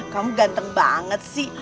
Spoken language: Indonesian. kamu ganteng banget sih